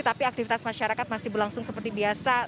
tapi aktivitas masyarakat masih berlangsung seperti biasa